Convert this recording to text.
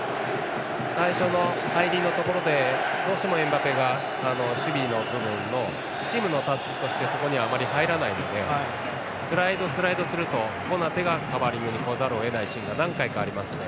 最初の入りのところでどうしてもエムバペが守備の部分のチームの助けとしてそこには入らないのでスライド、スライドするとコナテがカバーリングにこざるをえない時が何回かありますね。